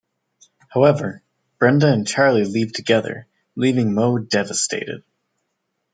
However, Brenda and Charlie leave together, leaving Mo devastated.